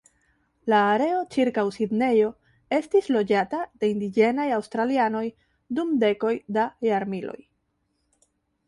La areo ĉirkaŭ Sidnejo estis loĝata de indiĝenaj aŭstralianoj dum dekoj da jarmiloj.